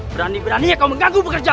berani berani kau mengganggu pekerjaan